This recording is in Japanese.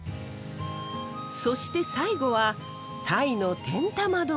そして最後はタイの天玉丼。